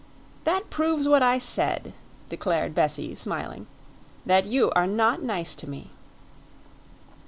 "That proves what I said," declared Bessie, smiling "that you are not nice to me."